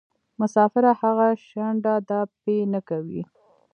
مسافره هغه شڼډه ده پۍ نکوي.